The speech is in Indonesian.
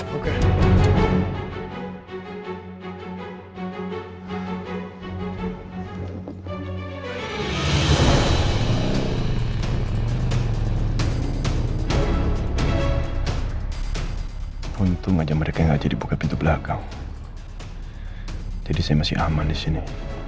hai untuk ngajak mereka enggak jadi buka pintu belakang jadi saya masih aman di sini